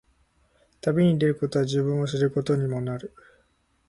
旅に出ることは、自分を知ることにもなる。